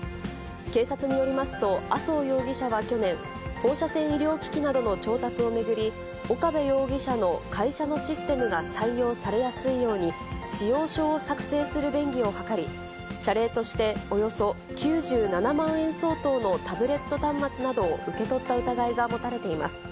警察によりますと、麻生容疑者は去年、放射線医療機器などの調達を巡り、岡部容疑者の会社のシステムが採用されやすいように、仕様書を作成する便宜を図り、謝礼としておよそ９７万円相当のタブレット端末などを受け取った疑いが持たれています。